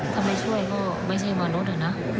ถ้าไม่ช่วยก็ไม่ใช่มนุษย์นะ